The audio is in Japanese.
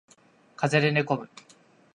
風邪で寝込む